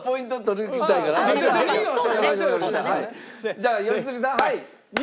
じゃあ良純さんはい！